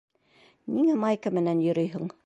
Ниңә майка менән йөрөйһөң?